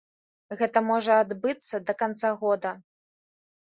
Гэта можа адбыцца да канца года.